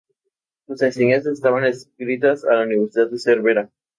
Sus enseñanzas estaban adscritas a la Universidad de Cervera.